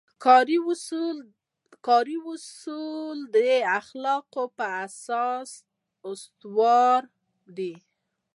کاري اصول د اخلاقو په اساس استوار دي.